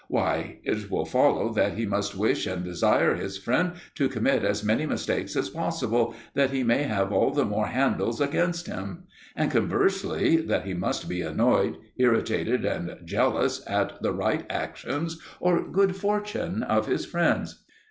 Why, it will follow that he must wish and desire his friend to commit as many mistakes as possible, that he may have all the more handles against him; and, conversely, that he must be annoyed, irritated, and jealous at the right actions or good fortune of his friends.